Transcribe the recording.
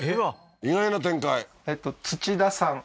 意外な展開